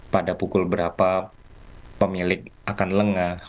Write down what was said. pada pukul berapa pemilik akan lengah